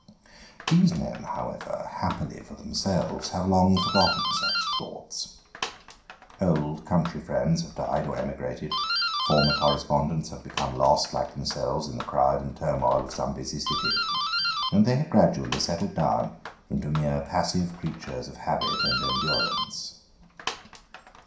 These men, however, happily for themselves, have long forgotten such thoughts. Old country friends have died or emigrated ; former correspondents have become lost, like themselves, in the crowd and turmoil of some busy city ; and they have gradually settled down into mere passive creatures of habit and endurance.